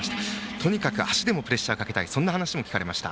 とにかく足でもプレッシャーをかけたいという話も聞かれました。